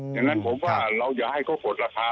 อย่างนั้นผมว่าเราอยากให้เขาตกลดราคาบ่อย